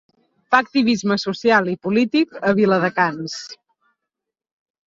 Fa activisme social i polític a Viladecans.